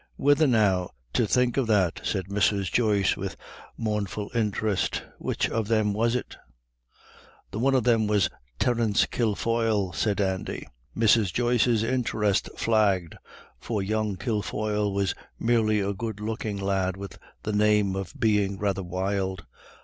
"Whethen now, to think of that," said Mrs. Joyce with mournful interest, "which of them was it?" "The one of them was Terence Kilfoyle," said Andy. Mrs. Joyce's interest flagged, for young Kilfoyle was merely a good looking lad with the name of being rather wild.